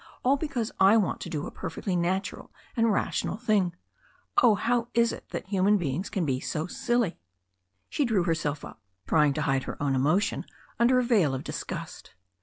All because I want to do a perfectly natural and rational thing. Oh, how is it that human beings can be so silly ?" She drew herself up, trying to hide her own emotion under a veil of disgust.